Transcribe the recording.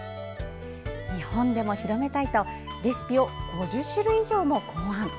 日本でも広めたいとレシピを５０種類以上も考案。